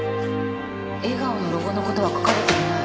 笑顔のロゴの事は書かれていない。